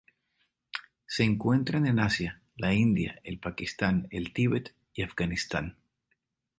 Se encuentran en Asia: la India, el Pakistán, el Tíbet y Afganistán